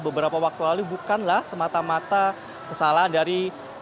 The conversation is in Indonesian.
beberapa waktu lalu bukanlah semata mata kesalahan dari